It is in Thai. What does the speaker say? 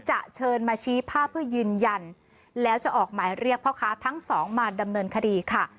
เชิญมาชี้ภาพเพื่อยืนยันแล้วจะออกหมายเรียกพ่อค้าทั้งสองมาดำเนินคดีค่ะ